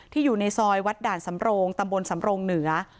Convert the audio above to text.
อยู่ในซอยวัดด่านสำโรงตำบลสำรงเหนือ